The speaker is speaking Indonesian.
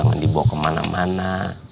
jangan dibawa ke mana mana